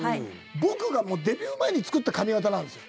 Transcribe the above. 僕がデビュー前に作った髪形なんですよ。